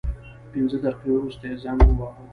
پنځه دقیقې وروسته یې زنګ وواهه.